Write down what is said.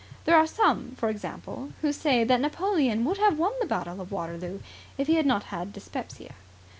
There are some, for example, who say that Napoleon would have won the battle of Waterloo if he had not had dyspepsia.